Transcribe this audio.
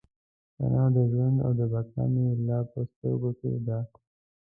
ثنا د ژوند او د بقا مې لا په سترګو کې ده.